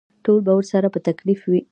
ټول به ورسره په تکلیف وي.